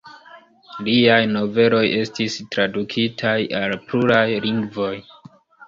Liaj noveloj estis tradukitaj al pluraj lingvoj.